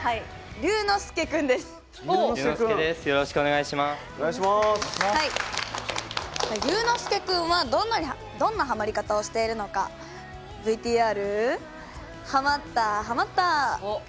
りゅうのすけ君はどんなハマり方をしているのかＶＴＲ、ハマったハマった！